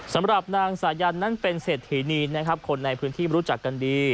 สำหรับนางสายัญเป็นเสร็จหีนีคนในพื้นที่รู้จักกันดี